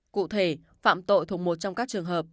cụ thể phạm tội thuộc một trong các trường hợp